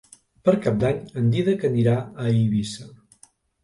Per Cap d'Any en Dídac anirà a Eivissa.